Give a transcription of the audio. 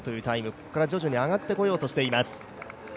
ここから徐々に上がってこようとしています。